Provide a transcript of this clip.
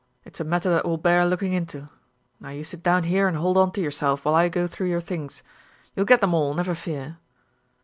It's a matter that will bear looking into. Now you sit down here and hold on to yourself, while I go through your things. You'll get them all, never fear."